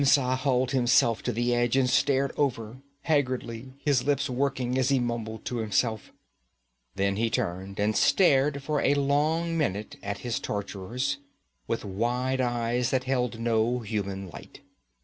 Khemsa hauled himself to the edge and stared over, haggardly, his lips working as he mumbled to himself. Then he turned and stared for a long minute at his torturers, with wide eyes that held no human light.